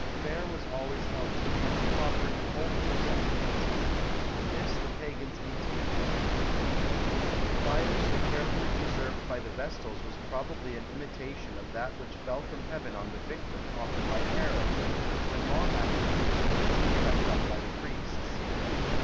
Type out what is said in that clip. Fare was always held to be most proper and holy for sacrifices; in this the Pagans imitated the Hebrews. The fire so carefully preserved by the Vestals was probably an imitation of that which fell from heaven on the victim offered by Aaron, and long afterwards religiously kept up by the priests.